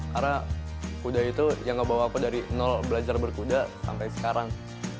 karena kuda itu yang ngebawa aku dari nol belajar berkuda sampai sekarang